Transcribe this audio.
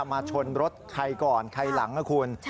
มาชนรถใครก่อนใครหลังนะคุณ